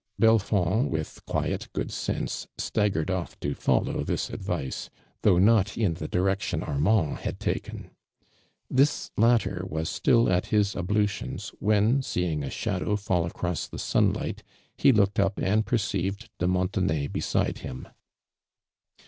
Belfond, with quiet good sense, staggered off to follow this advice, though not in the di rection Armand had taken. I'his latter was still at his ablutions, when, seeing a shadow fall across the sunlight, he looked uyt and perceived de Montenay beside him.